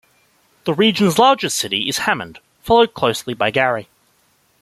The region's largest city is Hammond, followed closely by Gary.